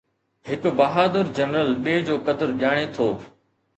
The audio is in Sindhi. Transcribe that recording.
هڪ بهادر جنرل ٻئي جو قدر ڄاڻي ٿو